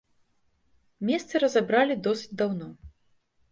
Месцы разабралі досыць даўно.